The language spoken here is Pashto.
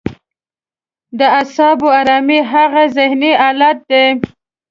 د اعصابو ارامي هغه ذهني حالت دی.